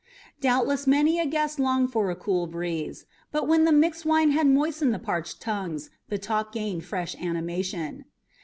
Doubtless many a guest longed for a cool breeze, but when the mixed wine had moistened the parched tongues the talk gained fresh animation.